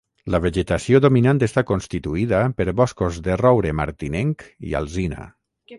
La vegetació dominant està constituïda per boscos de roure martinenc i alzina.